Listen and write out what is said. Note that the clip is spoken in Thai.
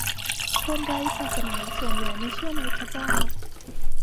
คนไร้ศาสนาส่วนใหญ่ไม่เชื่อในพระเจ้า